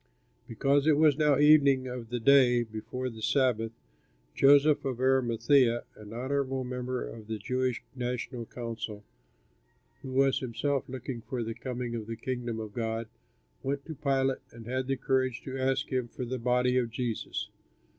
Because it was now evening of the day before the Sabbath, Joseph of Arimathæa, an honorable member of the Jewish national council, who was himself looking for the coming of the Kingdom of God, went to Pilate and had the courage to ask him for the body of Jesus.